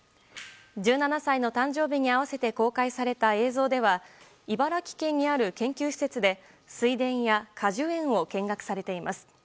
１７歳の誕生日に合わせて公開された映像では茨城県にある研究施設で水田や果樹園を見学されています。